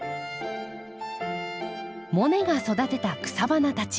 モネが育てた草花たち。